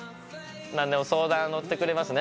何でも相談乗ってくれますね